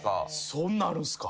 そんなんあるんすか。